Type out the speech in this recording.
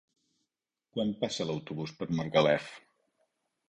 Quan passa l'autobús per Margalef?